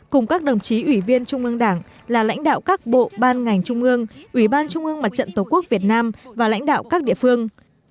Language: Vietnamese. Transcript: cùng các đồng chí ủy viên trung ương đảng là lãnh đạo các bộ ban ngành trung ương ủy ban trung ương mặt trận tổ quốc việt nam và lãnh đạo các địa phương